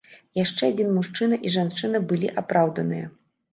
Яшчэ адзін мужчына і жанчына былі апраўданыя.